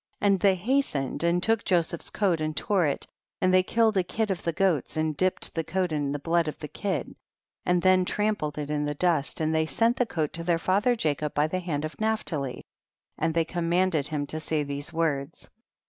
13. And they hastened and took Joseph's coat and tore it, and they killed a kid of the goats and dipped the coat in the blood of the kid, and then trampled it in the dust, and they sent the coat to their father Jacob by the hand of Naphtali, and they com manded him to say these words.